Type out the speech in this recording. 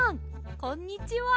こんにちは！